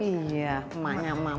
iya emaknya emak emak